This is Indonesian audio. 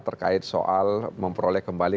terkait soal memperoleh kembali